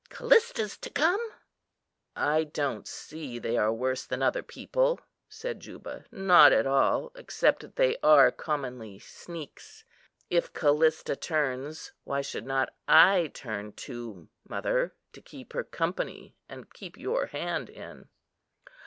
Callista's to come." "I don't see they are worse than other people," said Juba; "not at all, except that they are commonly sneaks. If Callista turns, why should not I turn too, mother, to keep her company, and keep your hand in?"